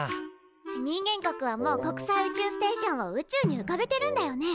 人間国はもう国際宇宙ステーションを宇宙にうかべてるんだよね。